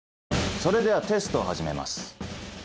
それではテストを始めます。